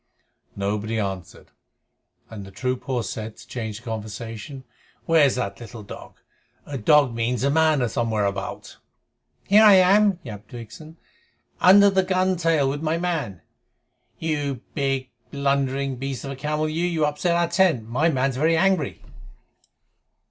Nobody answered, and the troop horse said, to change the conversation, "Where's that little dog? A dog means a man somewhere about." "Here I am," yapped Vixen, "under the gun tail with my man. You big, blundering beast of a camel you, you upset our tent. My man's very angry."